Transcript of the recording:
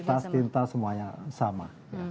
tas tinta semuanya sama